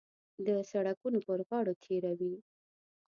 د سړکونو پر غاړو تېروي.